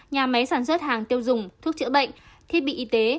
nhà máy sản xuất hàng tiêu dùng thuốc chữa bệnh thiết bị y tế